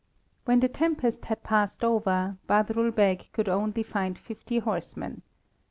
When the tempest had passed over, Badrul Beg could only find fifty horsemen.